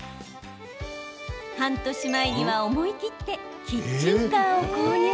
半年前には思い切ってキッチンカーを購入。